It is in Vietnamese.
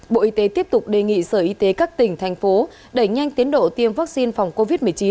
bộ y tế tiếp tục đề nghị sở y tế các tỉnh thành phố đẩy nhanh tiến độ tiêm vaccine phòng covid một mươi chín